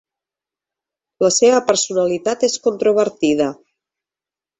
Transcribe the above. La seva personalitat és controvertida.